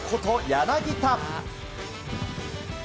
柳田。